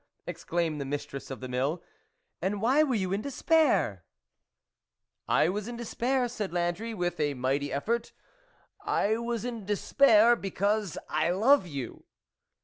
" exclaimed the mistress of the mill, " and why were you in despair ?"" I was in despair," said Landry, with a mighty effort, " 1 was in despair because I love you."